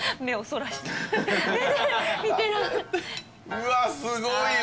うわっすごいわ！